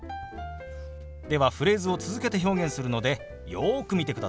ではフレーズを続けて表現するのでよく見てくださいね。